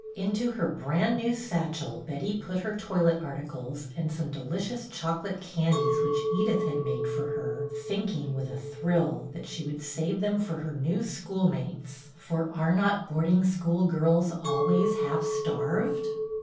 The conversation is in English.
Into her brand new satchel Betty put her toilet articles and some delicious chocolate candies which Edith had made for her, thinking, with a thrill, that she would save them for her new schoolmates, for are not boarding school girls always half starved